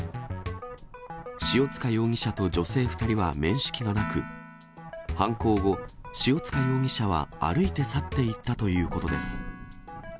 塩塚容疑者と女性２人は面識がなく、犯行後、塩塚容疑者は歩いて去っていったということです。